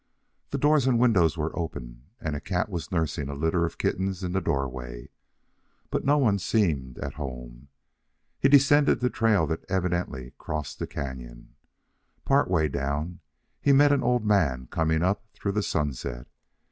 The doors and windows were open, and a cat was nursing a litter of kittens in the doorway, but no one seemed at home. He descended the trail that evidently crossed the canon. Part way down, he met an old man coming up through the sunset.